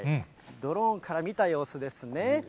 ドローンから見た様子ですね。